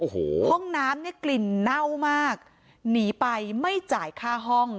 ห้องน้ำกลิ่นเน่ามากหนีไปไม่จ่ายค่าห้อง